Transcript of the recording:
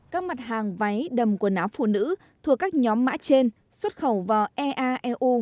các mặt hàng váy đầm quần áo phụ nữ thuộc các nhóm mã trên xuất khẩu vào eaeu